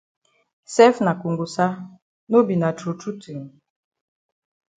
Sef na kongosa no be na true true tin?